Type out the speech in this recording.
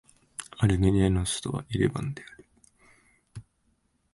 アルメニアの首都はエレバンである